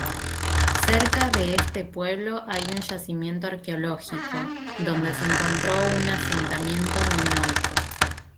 Cerca de este pueblo hay un yacimiento arqueológico donde se encontró un asentamiento minoico.